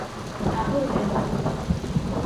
Agur bero bat.